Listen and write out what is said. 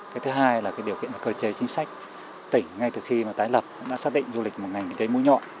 cái thứ hai là điều kiện cơ chế chính sách tỉnh ngay từ khi tái lập đã xác định du lịch một ngành kinh tế mũi nhọn